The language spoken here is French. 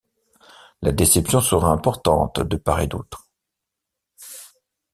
La déception sera importante de part et d’autre.